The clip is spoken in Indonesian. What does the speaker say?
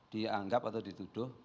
dianggap atau dituduh